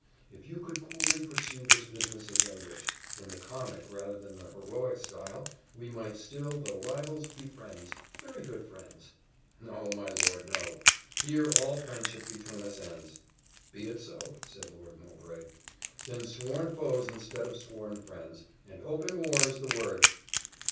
If you could coolly pursue this business as I wish, in the comic rather than the heroic style, we might still, though rivals, be friends very good friends." "No, my lord, no: here all friendship between us ends." "Be it so," said Lord Mowbray: "then sworn foes instead of sworn friends and open war is the word!"